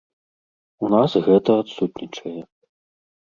У нас гэта адсутнічае.